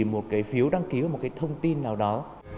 một cái phiếu đăng ký ở một cái thông tin nào đó